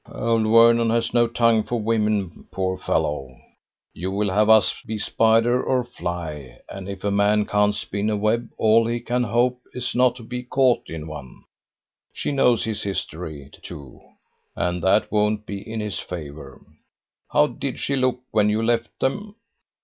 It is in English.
"Old Vernon has no tongue for women, poor fellow! You will have us be spider or fly, and if a man can't spin a web all he can hope is not to be caught in one. She knows his history, too, and that won't be in his favour. How did she look when you left them?"